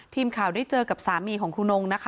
ทีมข่าวได้เจอกับสามีของครูนงนะคะ